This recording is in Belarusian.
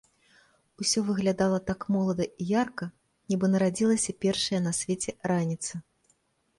Усё выглядала так молада і ярка, нібы нарадзілася першая на свеце раніца.